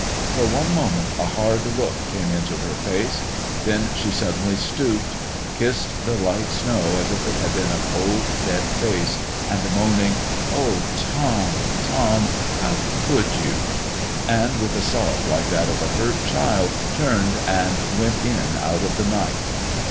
For one moment a hard look came into her face; then she suddenly stooped, kissed the light snow as if it had been a cold, dead face, and moaning, "O Tom, Tom, how could you!" with a sob like that of a hurt child, turned and went in out of the night.